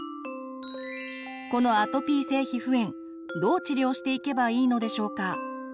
このアトピー性皮膚炎どう治療していけばいいのでしょうか？